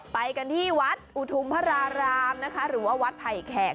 ไปกันที่วัดอุทุมพระรารามนะคะหรือว่าวัดไผ่แขก